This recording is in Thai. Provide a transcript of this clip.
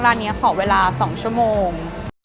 ร้านนี้ขอเวลา๒ชั่วโมง